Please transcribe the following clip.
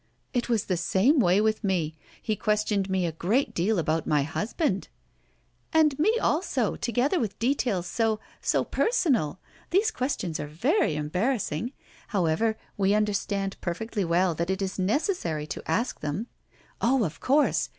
"It was the same way with me. He questioned me a great deal about my husband!" "And me, also together with details so so personal! These questions are very embarrassing. However, we understand perfectly well that it is necessary to ask them." "Oh! of course.